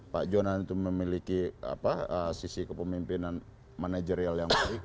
pak jonan itu memiliki sisi kepemimpinan manajerial yang baik